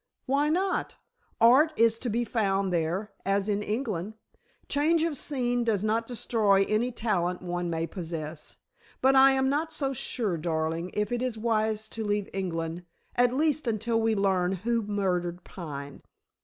"Why not? Art is to be found there as in England. Change of scene does not destroy any talent one may possess. But I am not so sure, darling, if it is wise to leave England at least until we learn who murdered Pine."